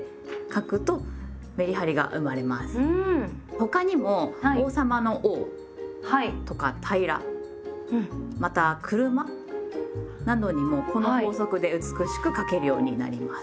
他にも王様の「王」とか「平ら」また「車」などにもこの法則で美しく書けるようになります。